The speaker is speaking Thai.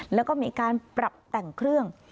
แล้วก็มีการปรับแต่งเครื่อง